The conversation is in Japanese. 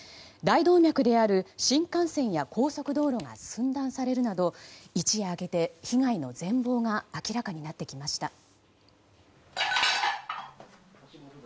大動脈である新幹線や高速道路が寸断されるなど一夜明けて被害の全貌が明らかになってきました。